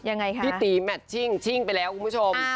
ยังไงคะพี่ตีแมทชิ่งชิ่งไปแล้วคุณผู้ชม